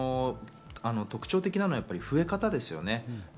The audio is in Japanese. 特徴的なのは増え方ですよね。